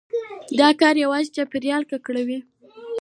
دا کار يوازي چاپېريال نه ککړوي،